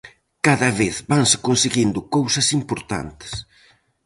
Cada vez vanse conseguindo cousas importantes.